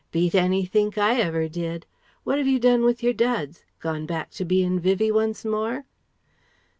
Beat anythink I ever did. What have you done with your duds? Gone back to bein' Vivie once more?